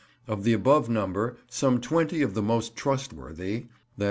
Of the above number some 20 of the most trustworthy (_i.